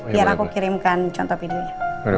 biar aku kirimkan contoh videonya